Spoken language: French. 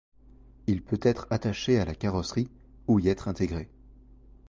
Il peut être attaché à la carrosserie ou y être intégré.